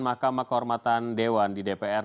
mahkamah kehormatan dewan di dpr